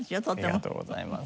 ありがとうございます。